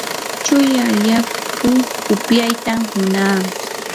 chuya yaku upyaytam munaa.